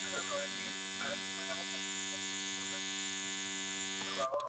A estos últimos los ingleses los llamaban "bay-windows", ventanas en forma de bahía.